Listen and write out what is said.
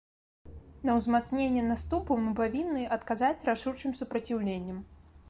На ўзмацненне наступу мы павінны адказаць рашучым супраціўленнем.